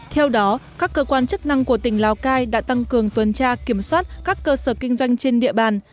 theo đó các cơ quan chức năng của tỉnh lào cai đã tăng cường tuần tra kiểm soát các cơ sở kinh doanh trên địa bàn